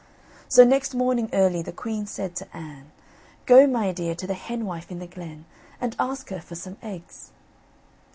So next morning early, the queen said to Anne, "Go, my dear, to the henwife in the glen, and ask her for some eggs."